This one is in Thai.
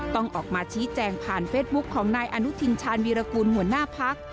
ต้องออกมาชี้แจงผ่านเฟซบุ๊คของนายอนุทินชาญวีรกูลหัวหน้าพัก